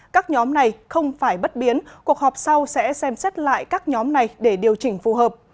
các nhóm này không phải bất biến cuộc họp sau sẽ xem xét lại các nhóm này để điều chỉnh phù hợp